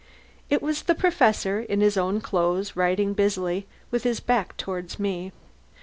It was the Professor in his own clothes, writing busily, with his back toward me.